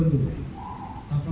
apa untuk menikmati